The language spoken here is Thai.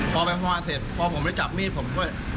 พอพร้อมมาเสร็จพอผมได้จับมีดผมก็